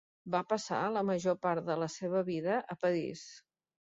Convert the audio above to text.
Va passar la major part de la seva vida a París.